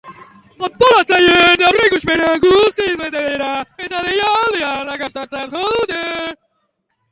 Antolatzaileen aurreikuspenak guztiz bete dira, eta deialdia arrakastatzat jo dute.